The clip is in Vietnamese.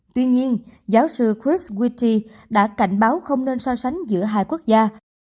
tuy nhiên giáo sư chris wity đã cảnh báo không nên so sánh giữa hai quốc gia